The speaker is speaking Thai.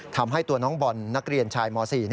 ทำให้ตัวน้องบอลนักเรียนชายม๔